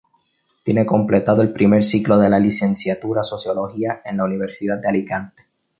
Tiene completado el primer ciclo de la Licenciatura Sociología en la Universidad de Alicante.